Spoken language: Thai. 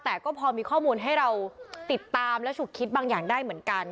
แต่ก็พอมีข้อมูลให้เราติดตามและฉุกคิดบางอย่างได้เหมือนกัน